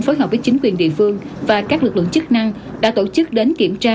phối hợp với chính quyền địa phương và các lực lượng chức năng đã tổ chức đến kiểm tra